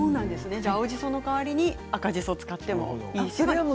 青じその代わりに赤じそを使ってもいいんですね。